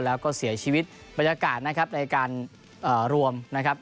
แล้วก็เสียชีวิตบรรยากาศนะครับในการรวมนะครับ